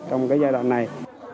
trong giai đoạn này